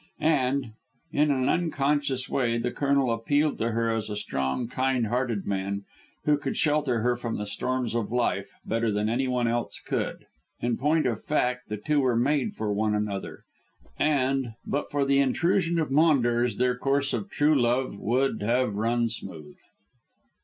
And, in an unconscious way, the Colonel appealed to her as a strong, kind hearted man, who could shelter her from the storms of life better than any one else could. In point of fact, the two were made for one another, and, but for the intrusion of Maunders, their course of true love would have run smooth.